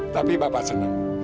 tapi bapak senang